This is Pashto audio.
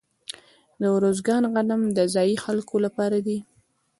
د ارزګان غنم د ځايي خلکو لپاره دي.